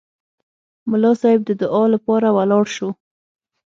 ملا صیب د دعا لپاره ولاړ شو.